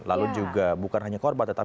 lalu juga bukan hanya korban tetapi